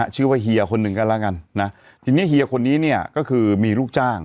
เฮียคนหนึ่งก็แล้วกันนะทีนี้เฮียคนนี้เนี่ยก็คือมีลูกจ้าง